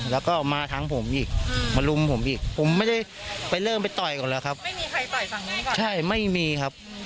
แล้วก็มาทั้งผมอีกมาลุมผมอีกผมไม่ได้ไปเริ่มไปต่อยก่อนแล้วครับไม่มีใครต่อยฝั่งนี้ก่อนใช่ไม่มีครับ